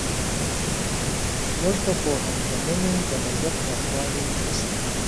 زموږ په پوهنتونونو د نظر پراخوالی نشته.